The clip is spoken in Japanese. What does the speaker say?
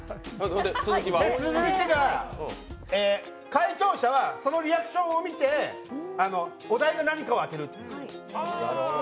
続いて、解答者はそのリアクションを見て、お題が何かを当てる。